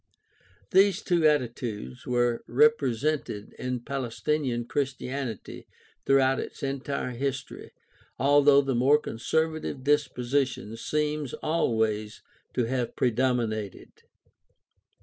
These two attitudes were represented in Palestinian Christianity throughout its entire history, although the more conserva tive disposition seems always to have predominated.